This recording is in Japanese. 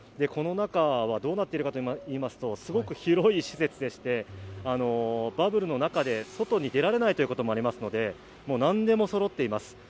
この中はどうなっているかといいますと、すごく広い施設でしてバブルの中で、外に出られないということもありますので何でもそろっています。